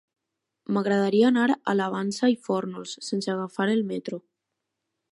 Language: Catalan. M'agradaria anar a la Vansa i Fórnols sense agafar el metro.